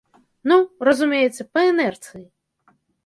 Ну, разумееце, па інэрцыі.